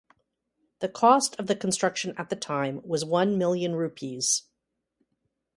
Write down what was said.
The cost of the construction at the time was one million Rupees.